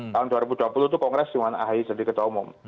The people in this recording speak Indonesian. tahun dua ribu dua puluh itu kongres jum'at ahi jadi ketua umum